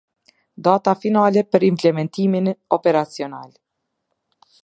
Data finale për implementimin operacional.